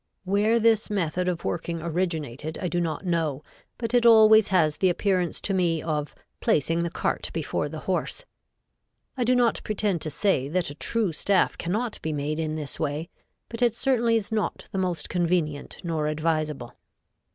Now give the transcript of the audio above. Where this method of working originated I do not know, but it always has the appearance to me of "placing the cart before the horse." I do not pretend to say that a true staff cannot be made in this way, but it certainly is not the most convenient nor advisable.